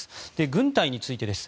軍隊についてです。